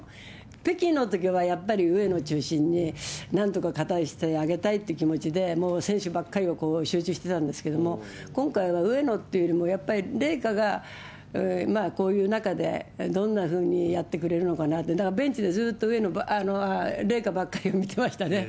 北京のときはやっぱり、上野を中心に、なんとか勝たしてあげたいという気持ちで、もう選手ばっかりに集中してたんですけれども、今回は、上野っていうよりも、やっぱり麗華が、まあ、こういう中でどんなふうにやってくれるのかって、だからベンチでずっと麗華ばっかり見てましたね。